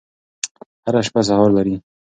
هره شپه سهار لري.